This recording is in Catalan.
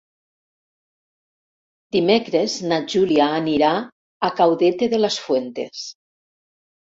Dimecres na Júlia anirà a Caudete de las Fuentes.